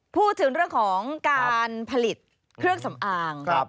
พูดถึงเรื่องของการผลิตเครื่องสำอาง